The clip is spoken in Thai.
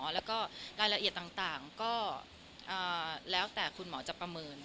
แล้วก็รายละเอียดต่างก็แล้วแต่คุณหมอจะประเมิน